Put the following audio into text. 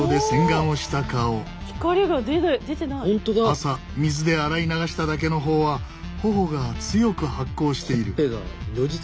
朝水で洗い流しただけの方は頬が強く発光している。